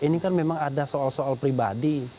ini kan memang ada soal soal pribadi